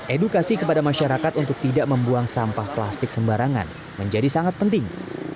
edukasi kepada masyarakat untuk tidak membuang sampah plastik sembarangan menjadi sangat penting